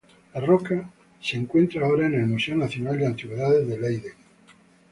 La roca se encuentra ahora en el Museo Nacional de Antigüedades de Leiden.